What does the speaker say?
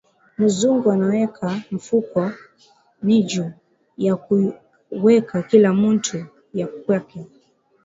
Muzungu anaweka mufuko niju yakuweka kila mutu yakwake